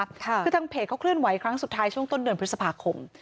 คือทางเพจเขาเคลื่อนไหวครั้งสุดท้ายช่วงต้นเดือนพฤษภาคม